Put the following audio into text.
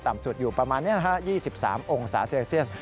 ต่ำสูตรอยู่ประมาณ๒๓องศาเซอร์เซียน